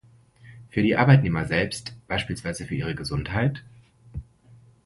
Für die Arbeitnehmer selbst, beispielsweise für ihre Gesundheit?